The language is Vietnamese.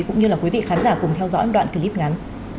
cũng như là quý vị khán giả cùng theo dõi đoạn clip ngắn